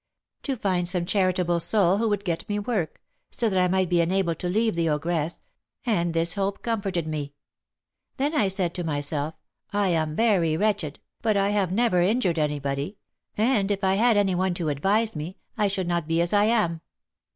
"To find some charitable soul who would get me work, so that I might be enabled to leave the ogress; and this hope comforted me. Then I said to myself, I am very wretched, but I have never injured anybody, and if I had any one to advise me I should not be as I am.